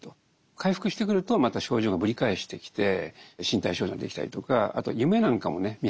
回復してくるとまた症状がぶり返してきて身体症状が出てきたりとかあとは夢なんかもね見始めると。